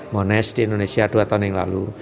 mones di indonesia dua tahun yang lalu